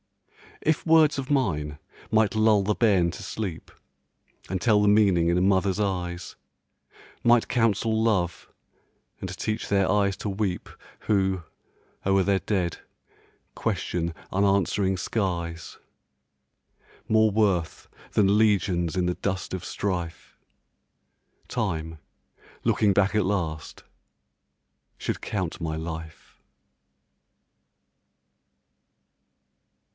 If words of mine might lull the bairn to sleep, And tell the meaning in a mother's eyes; Might counsel love, and teach their eyes to weep Who, o'er their dead, question unanswering skies, More worth than legions in the dust of strife, Time, looking back at last, should count my life.